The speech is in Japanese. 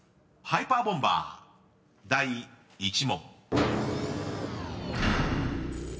ハイパーボンバー第１問］